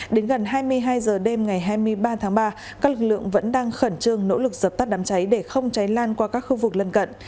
đến gần hai mươi hai h đêm ngày hai mươi ba tháng ba các lực lượng vẫn đang khẩn trương nỗ lực dập tắt đám cháy để không cháy lan qua các khu vực lân cận